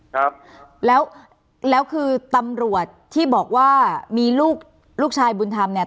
ครับแล้วแล้วคือตำรวจที่บอกว่ามีลูกลูกชายบุญธรรมเนี่ย